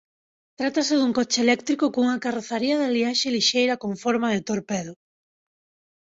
Trátase dun coche eléctrico cunha carrozaría de aliaxe lixeira con forma de torpedo.